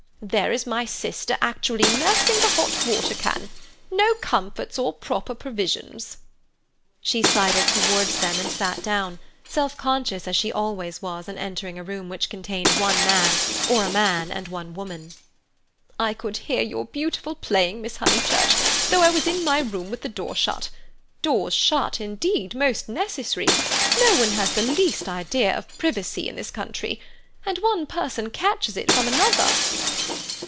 There is my sister actually nursing the hot water can; no comforts or proper provisions." She sidled towards them and sat down, self conscious as she always was on entering a room which contained one man, or a man and one woman. "I could hear your beautiful playing, Miss Honeychurch, though I was in my room with the door shut. Doors shut; indeed, most necessary. No one has the least idea of privacy in this country. And one person catches it from another."